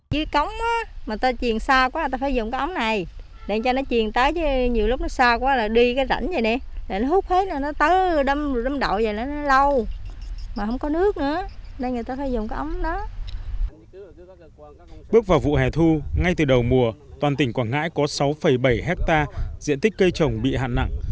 bước vào vụ hẻ thu ngay từ đầu mùa toàn tỉnh quảng ngãi có sáu bảy hectare diện tích cây trồng bị hạn nặng